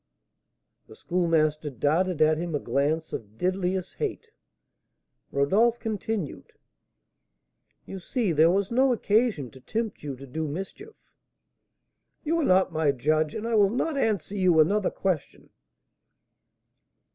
The Schoolmaster darted at him a glance of deadliest hate. Rodolph continued: "You see there was no occasion to tempt you to do mischief." "You are not my judge, and I will not answer you another question."